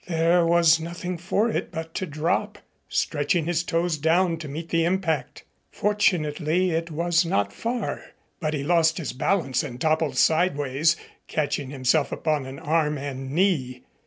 There was nothing for it but to drop, stretching his toes down to meet the impact. Fortunately it was not far, but he lost his balance and toppled sideways, catching himself upon an arm and knee.